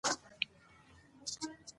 باسواده ښځې د احصایې په اداره کې کار کوي.